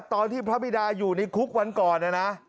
ตอนที่พระบิดาอยู่ในคุกวันก่อนนะนะ